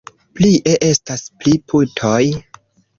Plie, estas tri putoj.